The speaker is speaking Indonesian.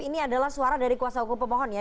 ini adalah suara dari kuasa hukum pemohon ya